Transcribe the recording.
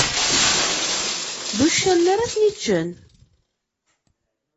D uccanen arad ten-iččen.